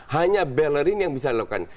hanya bellerin yang bisa dilakukan